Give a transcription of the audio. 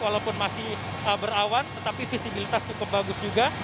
walaupun masih berawan tetapi visibilitas cukup bagus juga